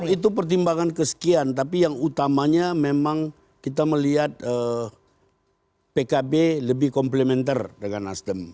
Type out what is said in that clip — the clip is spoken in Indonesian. itu pertimbangan kesekian tapi yang utamanya memang kita melihat pkb lebih komplementer dengan nasdem